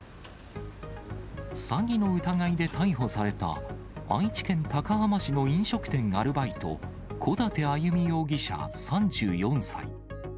詐欺の疑いで逮捕された愛知県高浜市の飲食店アルバイト、小館あゆみ容疑者３４歳。